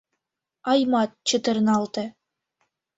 Аймат чытырналте.